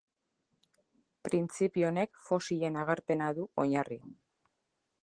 Printzipio honek fosilen agerpena du oinarri.